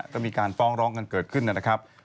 ก็มีการฟ้องร้องกันเกิดขึ้นนะครับ